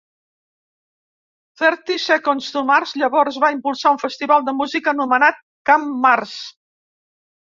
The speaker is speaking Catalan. Thirty Seconds to Mars llavors va impulsar un festival de música anomenat Camp Mars.